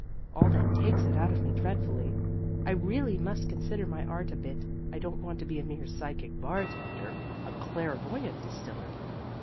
All that takes it out of me dreadfully. I really must consider my art a bit: I don't want to be a mere psychic bartender, a clairvoyant distiller."